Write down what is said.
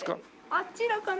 あちらから。